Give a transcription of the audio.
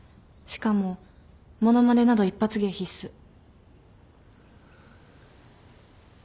しかも物まねなど一発芸必須。